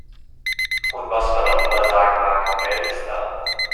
Und was man auch immer sagen mag, Geld ist da!